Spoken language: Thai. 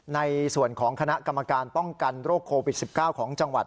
ในส่วนของคณะกรรมการป้องกันโรคโควิด๑๙ของจังหวัด